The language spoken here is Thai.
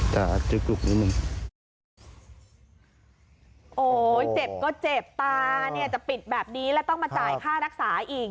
จะปิดแบบนี้แล้วต้องมาจ่ายค่านักษาอีก